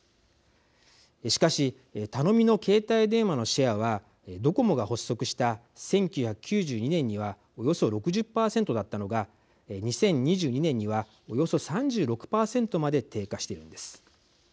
しかし、頼みの携帯電話のシェアはドコモが発足した１９９２年にはおよそ６０％だったのが２０２２年にはおよそ３６％まで低下しているんです。